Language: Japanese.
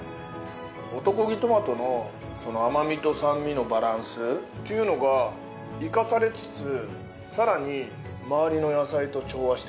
男気トマトの甘みと酸味のバランスというのが生かされつつさらに周りの野菜と調和してる。